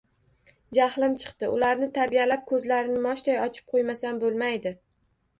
Jahlim chiqdi, ularni tarbiyalab, ko’zlarini moshday ochib qo’ymasam bo’lmaydi.